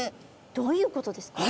どういうことですか？